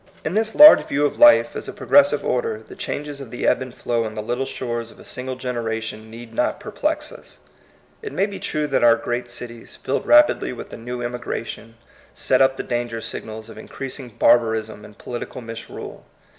In this large view of life as a progres sive order, the changes of the ebb and flow on the little shores of a single generation need not perplex us. It may be true that our great cities, filled rapidly with a new emigration, set up the danger signals of increasing barbarism and political misrule.